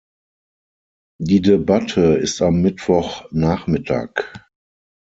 Die Debatte ist am Mittwochnachmittag.